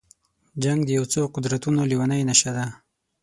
جنګ د یو څو قدرتونو لېونۍ نشه ده.